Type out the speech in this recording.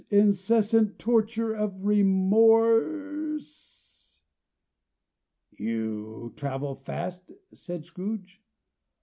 Incessant torture of remorse." "You travel fast?" said Scrooge.